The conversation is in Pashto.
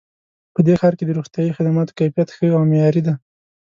په دې ښار کې د روغتیایي خدماتو کیفیت ښه او معیاري ده